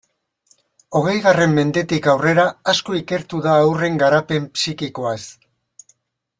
Hogeigarren mendetik aurrera asko ikertu da haurren garapen psikikoaz.